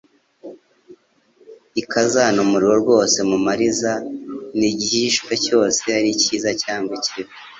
ikazana umurimo wose mu mariza, n'igihishwe cyose ari icyiza cyangwa ikibi."